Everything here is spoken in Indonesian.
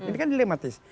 ini kan dilematis